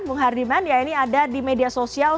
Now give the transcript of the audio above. bung hardiman ya ini ada di media sosial